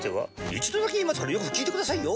一度だけ言いますからよく聞いてくださいよ。